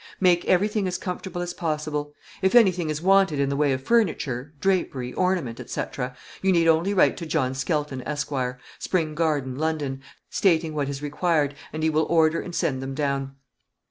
Make everything as comfortable as possible. If anything is wanted in the way of furniture, drapery, ornament, &c., you need only write to John Skelton, Esq., Spring garden, London, stating what is required, and he will order and send them down.